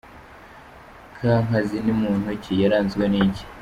Kankazi ni muntu ki, yaranzwe n’iki?.